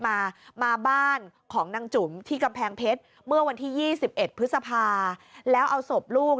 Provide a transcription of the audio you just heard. มามาบ้านของนางจุ๋มที่กำแพงเพชรเมื่อวันที่๒๑พฤษภาแล้วเอาศพลูก